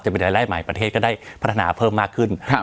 เป็นรายได้ใหม่ประเทศก็ได้พัฒนาเพิ่มมากขึ้น